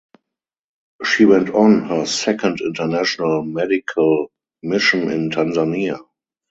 She went on her second international medical mission in Tanzania.